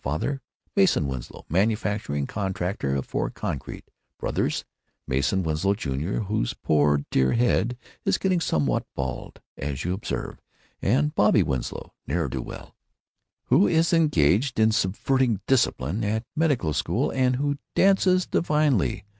Father, Mason Winslow, manufacturing contractor for concrete. Brothers, Mason Winslow, Jr., whose poor dear head is getting somewhat bald, as you observe, and Bobby Winslow, ne'er do weel, who is engaged in subverting discipline at medical school, and who dances divinely.